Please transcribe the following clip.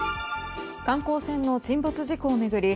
観光船の沈没事故を巡り